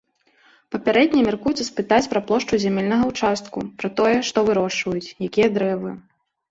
Папярэдне мяркуецца спытаць пра плошчу зямельнага ўчастку, пра тое, што вырошчваюць, якія дрэвы.